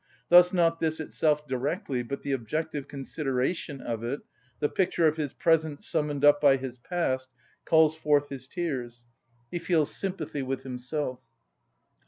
Thus not this itself directly, but the objective consideration of it, the picture of his present summoned up by his past, calls forth his tears; he feels sympathy with himself.